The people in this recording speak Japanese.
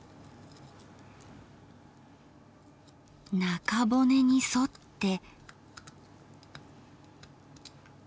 中骨に沿って。